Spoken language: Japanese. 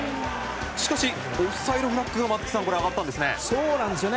しかしオフサイドフラッグが松木さん、上がったんですね。